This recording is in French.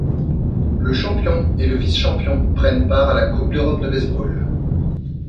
Le champion et le vice-champion prennent part à la Coupe d'Europe de baseball.